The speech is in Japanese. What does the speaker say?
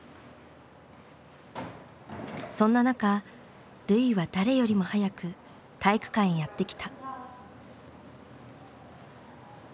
そんな中瑠唯は誰よりも早く体育館へやって来た。